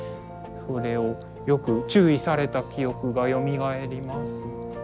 それをよく注意された記憶がよみがえります。